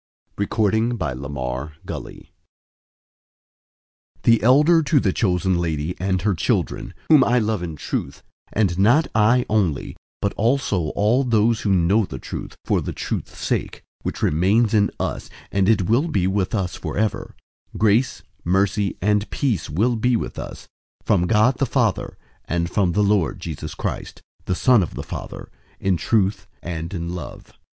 Book 63 2 John 001:001 The elder, to the chosen lady and her children, whom I love in truth; and not I only, but also all those who know the truth; 001:002 for the truth's sake, which remains in us, and it will be with us forever: 001:003 Grace, mercy, and peace will be with us, from God the Father, and from the Lord Jesus Christ, the Son of the Father, in truth and love.